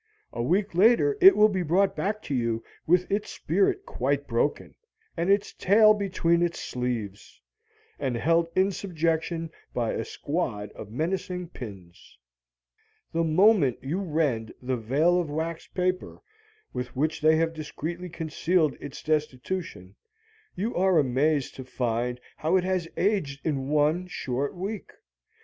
A week later it will be brought back to you with its spirit quite broken, and its tail between its sleeves, and held in subjection by a squad of menacing pins. The moment you rend the veil of wax paper with which they have discreetly concealed its destitution, you are amazed to find how it has aged in one short week.